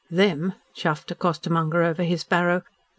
"Them!" chaffed a costermonger over his barrow.